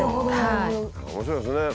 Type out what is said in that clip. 面白いですね。